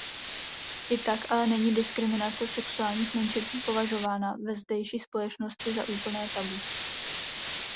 I tak ale není diskriminace sexuálních menšin považovaná ve zdejší společnosti za úplné tabu.